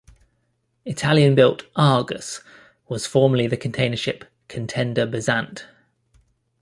Italian-built, "Argus" was formerly the container ship "Contender Bezant".